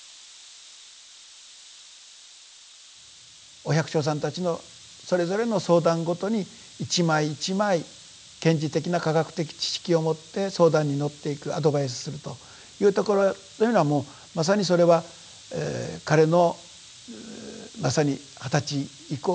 お百姓さんたちのそれぞれの相談ごとに一枚一枚賢治的な科学的知識をもって相談に乗っていくアドバイスするというところというのはもうまさにそれは彼のまさに二十歳以降ですね